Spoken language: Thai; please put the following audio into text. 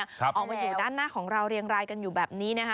ออกมาอยู่ด้านหน้าของเราเรียงรายกันอยู่แบบนี้นะคะ